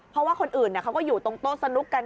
เพราะว่าคนอื่นเขาก็อยู่ตรงโต๊ะสนุกกัน